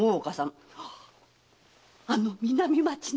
あの南町の？